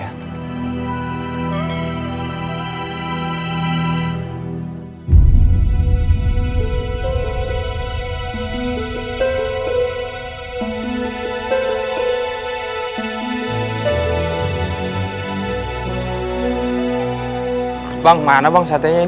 aku akan menemukan jawabannya